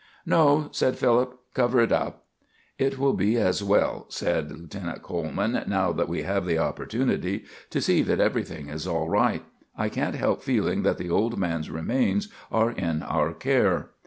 "No," said Philip; "cover it up." "It will be as well," said Lieutenant Coleman, "now that we have the opportunity, to see that everything is all right. I can't help feeling that the old man's remains are in our care."